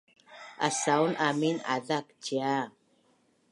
Asaun amin azak cia